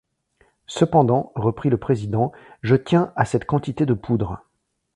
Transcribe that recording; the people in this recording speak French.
Cependant, reprit le président, je tiens à cette quantité de poudre.